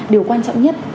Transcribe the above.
điều quan trọng nhất